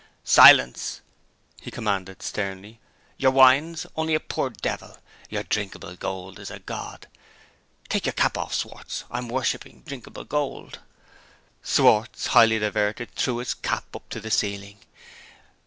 "Silence!" he commanded sternly. "Your wine's only a poor devil. Your drinkable gold is a god. Take your cap off, Schwartz I'm worshipping drinkable gold!" Schwartz, highly diverted, threw his cap up to the ceiling.